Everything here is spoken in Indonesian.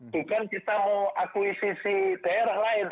bukan kita mau akuisisi daerah lain